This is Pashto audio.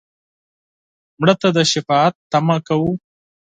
مړه ته د شفاعت تمه کوو